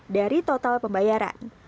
dari total pembayaran